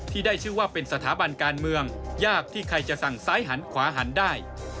ที่ได้ชื่อว่าเป็นสถาบันการเมืองยากที่ใครจะสั่งซ้ายหันขวาหันได้